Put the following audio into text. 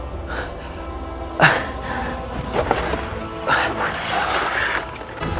terima kasih kisana